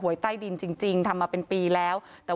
ความปลอดภัยของนายอภิรักษ์และครอบครัวด้วยซ้ำ